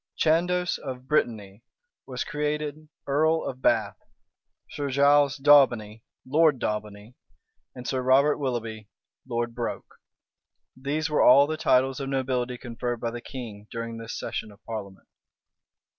Chandos of Brittany was created earl of Bath, Sir Giles Daubeny, Lord Daubeny, and Sir Robert Willoughby, Lord Broke. These were all the titles of nobility conferred by the king during this session of parliament.[*] * Polyd. Virg. p.